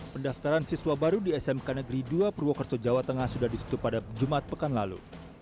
pendaftaran siswa baru di smk negeri dua purwokerto jawa tengah sudah ditutup pada jumat pekan lalu